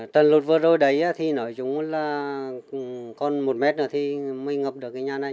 trận lụt vừa rồi đấy thì nói chung là còn một mét nữa thì mới ngập được cái nhà này